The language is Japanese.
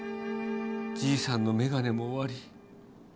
じいさんのメガネも終わり。